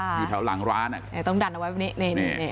อยู่แถวหลังร้านอ่ะเดี๋ยวต้องดันเอาไว้แบบนี้นี่นี่นี่